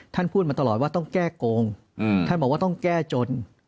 ท่านพูดมาตลอดว่าต้องแก้โกงท่านบอกว่าต้องแก้จน